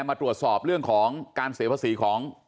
มาตรวจสอบเรื่องของการเสียภาษีของ